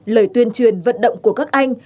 lời tuyên truyền vận động của các anh